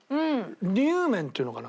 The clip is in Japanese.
にゅう麺っていうのかな。